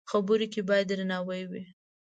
خبرو کې باید درناوی وي